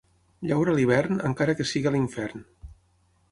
Llaura a l'hivern, encara que sigui a l'infern.